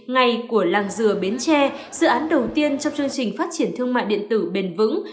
ngày của làng dừa bến tre dự án đầu tiên trong chương trình phát triển thương mại điện tử bền vững